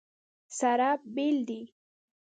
سره بېلې دي.